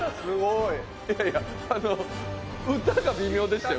いやいやあの歌が微妙でしたよ